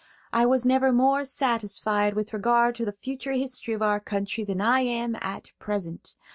I was never more satisfied with regard to the future history of our country than I am at present.